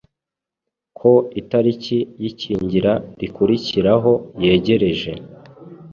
ko itariki y’ikingira rikurikiraho yegereje.